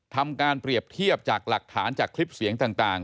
ทำการเปรียบเทียบจากหลักฐานจากคลิปเสียงต่าง